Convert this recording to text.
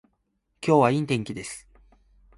今日は良い天気です